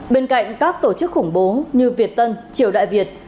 bên cạnh các tổ chức khủng bố như việt tân triều đại việt